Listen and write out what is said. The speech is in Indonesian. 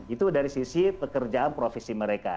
itu dari sisi pekerjaan profesi mereka